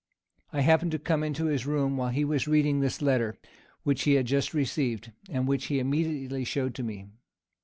I happened to come into his room while he was reading this letter, which he had just received, and which he immediately showed me.